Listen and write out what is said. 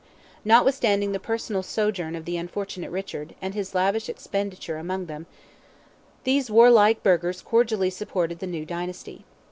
Notwithstanding the personal sojourn of the unfortunate Richard, and his lavish expenditure among them, these warlike burghers cordially supported the new dynasty.